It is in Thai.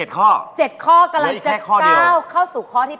๗ข้อกำลัง๗๙เข้าสู่ข้อที่๘